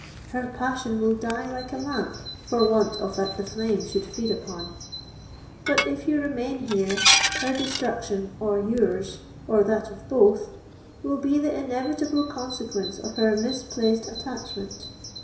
Her passion will die like a lamp for want of that the flame should feed upon; but, if you remain here, her destruction, or yours, or that of both, will be the inevitable consequence of her misplaced attachment.